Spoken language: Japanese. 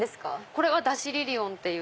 これはダシリリオンっていう。